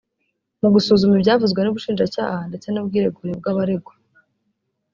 Mu gusuzuma ibyavuzwe n’Ubushinjacyaha ndetse n’ubwiregure bw’abaregwa